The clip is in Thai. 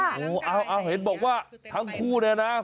โอ้โหเอาเห็นบอกว่าทั้งคู่เนี่ยนะ